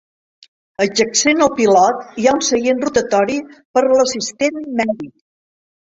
Adjacent al pilot hi ha un seient rotatori per a l'assistent mèdic.